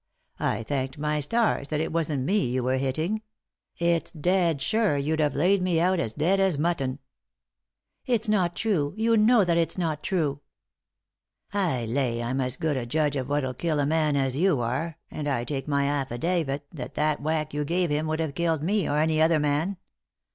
I thanked my stars that it wasn't me you were hitting ; it's dead sure you'd have laid me out as dead as mutton." " It's not true I you know that it's not true 1 " "I lay I'm as good a judge of what'll kill a man as you are, and I take my affidavit that that whack you gave him would have killed me, or any other man.